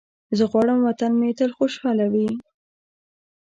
زه غواړم وطن مې تل خوشحاله وي.